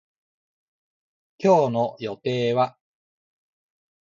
今日の予定は